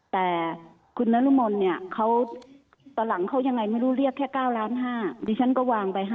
แต่คุณนรมนเนี่ยเขาตอนหลังเขายังไงไม่รู้เรียกแค่๙ล้าน๕ดิฉันก็วางไป๕